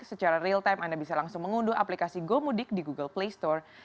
secara real time anda bisa langsung mengunduh aplikasi gomudik di google play store